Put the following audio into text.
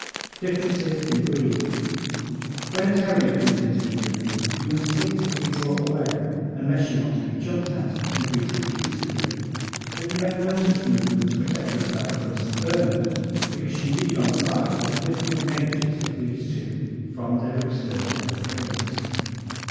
Differences in Breed ¶ When a terrier comes into the room you instinctively draw away unless you want to be jumped at and greeted effusively. But you make no such movement to protect yourself from a St. Bernard because you read, on sight, the different natures of these two from their external appearance.